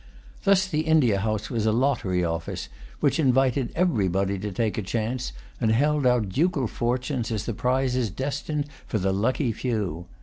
Thus the India House was a lottery office, which invited everybody to take a chance, and held out ducal fortunes as the prizes destined for the lucky few.